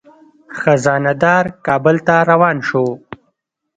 خزانه دار کابل ته روان شو.